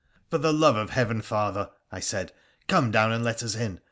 ' For the love of Heaven, father,' I said, ' come down and let us in